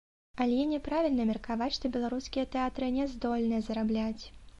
Але няправільна меркаваць, што беларускія тэатры не здольныя зарабляць.